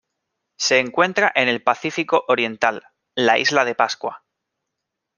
Se encuentra en el Pacífico oriental: la Isla de Pascua.